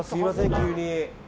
急に。